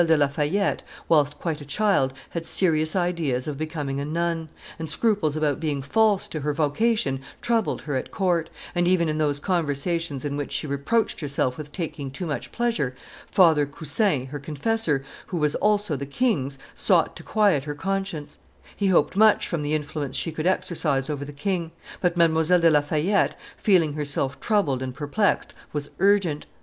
de La Fayette, whilst quite a child, had serious ideas of becoming a nun; and scruples about being false to her vocation troubled her at court, and even in those conversations in which she reproached herself with taking too much pleasure, Father Coussin, her confessor, who was also the king's, sought to quiet her conscience; he hoped much from the influence she could exercise over the king; but Mdlle. de La Fayette, feeling herself troubled and perplexed, was urgent.